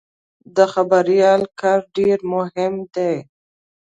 د خبریال کار ډېر مهم دی.